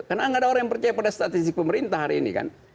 karena nggak ada orang yang percaya pada statistik pemerintah hari ini kan